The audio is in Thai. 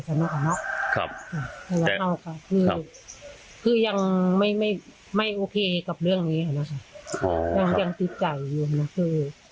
คือยังไม่โอเคกับเรื่องนี้ยังติดใจ